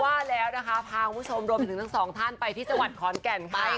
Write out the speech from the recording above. ว่าแล้วนะคะพาคุณผู้ชมรวมไปถึงทั้งสองท่านไปที่จังหวัดขอนแก่นไป